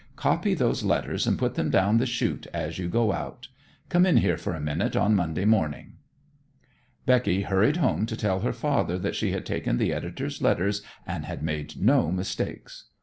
Copy those letters, and put them down the chute as you go out. Come in here for a minute on Monday morning." Becky hurried home to tell her father that she had taken the editor's letters and had made no mistakes.